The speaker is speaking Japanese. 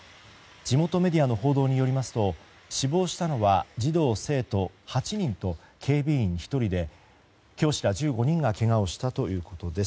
地元メディアの報道によりますと死亡したのは児童・生徒８人と警備員１人で教師ら１５人がけがをしたということです。